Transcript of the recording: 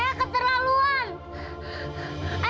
bahkan tuo ter atlanta